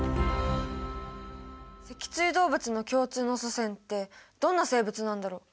脊椎動物の共通の祖先ってどんな生物なんだろう？